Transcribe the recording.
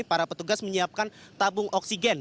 para petugas menyiapkan tabung oksigen